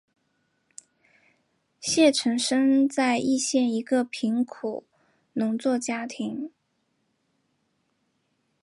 谢臣生在易县一个贫苦农民家庭。